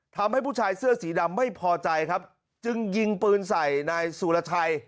ทำให้ผู้ชายเสื้อสีดำไม่พอใจครับจึงยิงปืนใส่นายสุรชัย